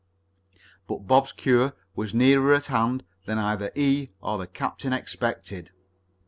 But Bob's cure was nearer at hand than either he or the captain expected.